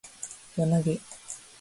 輪投げ